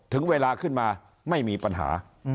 ถึงเวลาขึ้นมาไม่มีปัญหา